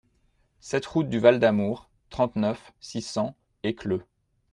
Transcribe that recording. sept route du Val d'Amour, trente-neuf, six cents, Écleux